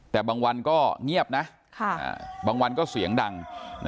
แต่บางวันก็เงียบนะบางวันก็เสียงดัง